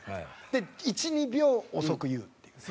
で１２秒遅く言うっていうね。